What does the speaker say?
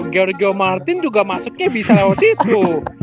georgio martin juga masuknya bisa lewat itu